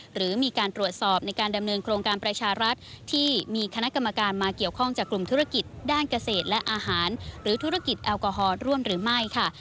หรือมีการตรวจสอบในการดำเนินโครงการประชารัฐที่มีคณะกรรมการมาเกี่ยวข้องจากกลุ่มธุรกิจด้านเกษตรและอาหารหรือธุรกิจแอลกอฮอลร่วมหรือไม่ค่ะ